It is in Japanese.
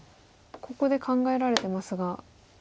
ここで考えられてますが。